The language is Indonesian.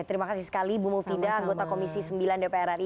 terima kasih sekali bu mufidah anggota komisi sembilan dpr ri